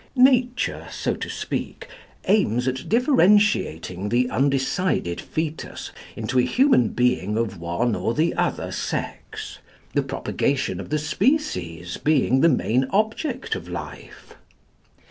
Nature, so to speak, aims at differentiating the undecided fœtus into a human being of one or the other sex, the propagation of the species being the main object of life.